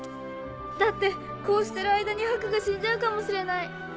だってこうしてる間にハクが死んじゃうかもしれない。